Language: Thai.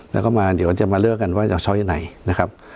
แล้วก็มาเดี๋ยวจะมาเลือกกันว่าจะซ้อยไหนนะครับ